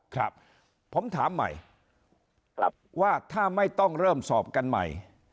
ครับผมถามใหม่ว่าถ้าไม่ต้องเริ่มสอบกันใหม่